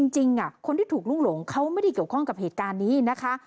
จริงคนที่ถูกลุกหลงเขาไม่ได้เกี่ยวข้องกับเหตุการณ์นี้นะคะ